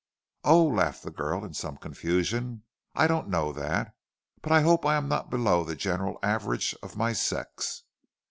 "Oh," laughed the girl in some confusion, "I don't know that, but I hope I am not below the general average of my sex."